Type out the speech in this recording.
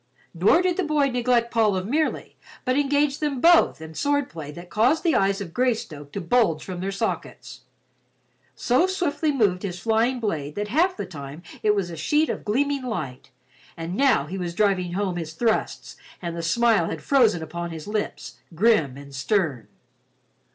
Nor did the boy neglect Paul of Merely, but engaged them both in swordplay that caused the eyes of Greystoke to bulge from their sockets. So swiftly moved his flying blade that half the time it was a sheet of gleaming light, and now he was driving home his thrusts and the smile had frozen upon his lips—grim and stern.